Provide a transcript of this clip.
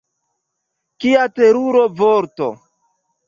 Kia terura vorto!